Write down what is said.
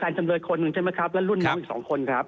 จำเลยคนหนึ่งใช่ไหมครับและรุ่นน้องอีกสองคนครับ